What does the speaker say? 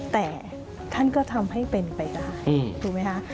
แต่ท่านก็ทำให้เป็นไปได้ถูกไหมคะ